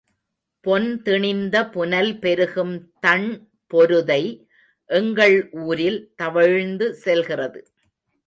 பொன் திணிந்த புனல் பெருகும் தண் பொருதை எங்கள் ஊரில் தவழ்ந்து செல்கிறது.